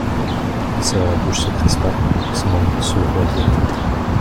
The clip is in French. Sa bouche se crispa ; ses membres se roidirent.